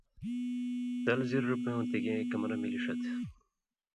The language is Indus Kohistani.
تلہ زِر رُپَوؤں تِگے کمرہ مِلہ ݜِت۔